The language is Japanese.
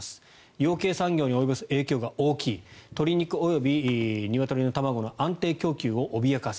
養鶏産業に及ぼす影響が大きい鶏肉及びニワトリの卵の安定供給を脅かす。